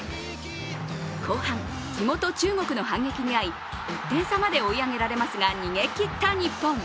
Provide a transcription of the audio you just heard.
後半、地元・中国の反撃にあい１点差まで追い上げられますが逃げきった日本。